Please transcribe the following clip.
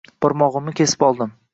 Barmog'imni kesib oldim.